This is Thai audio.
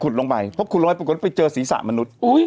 ขุดลงไปเพราะโรยไปเจอศีรษะมนุษย์โอ้ย